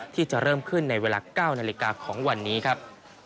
ที่จะเริ่มขึ้นในเวลา๙นาฬิกาของวันนี้ครับ